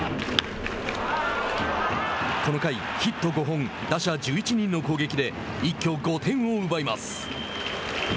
この回、ヒット５本打者１１人の攻撃で一挙５点を奪います。